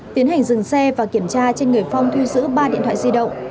tiến hành dừng xe và kiểm tra trên người phong thu giữ ba điện thoại di động